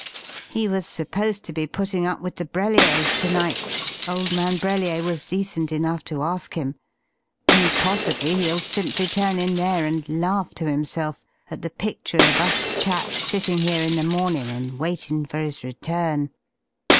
He was supposed to be putting up with the Brelliers to night old man Brellier was decent enough to ask him and possibly he'll simply turn in there and laugh to himself at the picture of us chaps sitting here in the mornin' and waitin' for his return!"